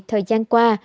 thời gian qua